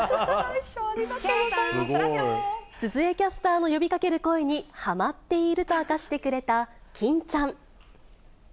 鈴江キャスターの呼びかける声にハマっていると明かしてくれた欽ちゃん。